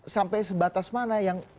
sampai sebatas mana yang